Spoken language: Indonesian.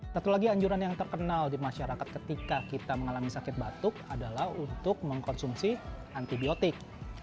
satu lagi anjuran yang terkenal di masyarakat ketika kita mengalami sakit batuk adalah untuk mengkonsumsi antibiotik